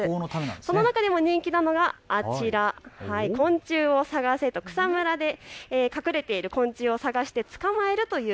その中でも人気などが、あちら昆虫を探せと草むらに隠れている昆虫を探すものです。